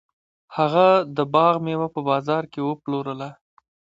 هغه د باغ میوه په بازار کې وپلورله.